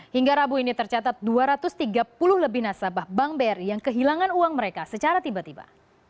hingga rabu ini tercatat dua ratus tiga puluh lebih nasabah bank bri yang kehilangan uang mereka secara tiba tiba